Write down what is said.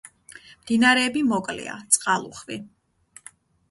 მდინარეები მოკლეა, წყალუხვი.